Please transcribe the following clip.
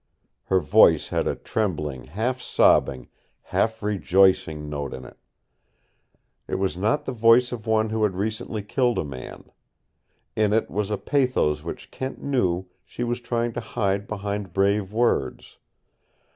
Her voice had a trembling, half sobbing, half rejoicing note in it. It was not the voice of one who had recently killed a man. In it was a pathos which Kent knew she was trying to hide behind brave words.